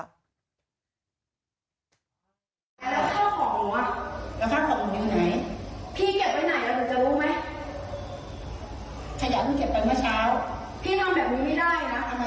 แล้วข้าของผมอ่ะแล้วข้าของผมอยู่ไหนพี่เก็บไปไหนเราจะรู้ไหม